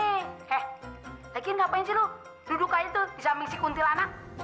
eh lagi ngapain sih lo duduk aja tuh di samping si kuntilanak